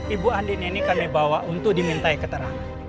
ibu andin ini kami bawa untuk dimintai keterangan